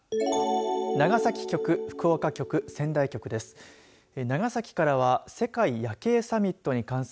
長崎局福岡局、仙台局です。